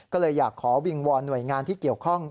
ก็เลยอยากขอวิงวอนหน่วยงานที่เกี่ยวข้อง